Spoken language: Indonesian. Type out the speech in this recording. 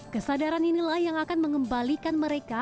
kesadaran inilah yang akan mengembalikan mereka